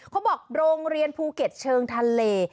เขาบอกโรงเรียนภูเก็ตเชิงทะเล